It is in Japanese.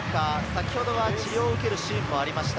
先ほどは治療を受けるシーンもありました。